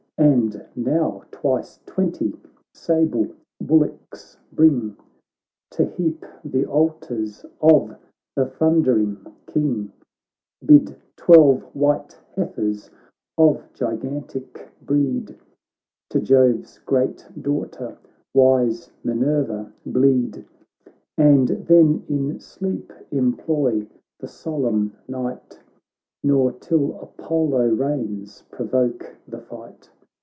And now twice twenty sable bullocks bring To heap the altars of the thundering King, Bid twelve white heifers of gigantic breed To Jove's great daughter, wise Minerva, bleed, And then in sleep employ the solemn night, Nor till Apollo reigns provoke the fight.'